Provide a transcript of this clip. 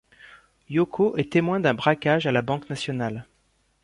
Yoko est témoin d'un braquage à la Banque Nationale.